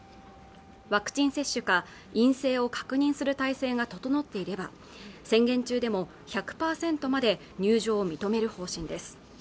ワクチン接種が陰性を確認する体制が整っていれば宣言中でも１００％まで入場を認める方針です